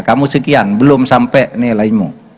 kamu sekian belum sampai nilaimu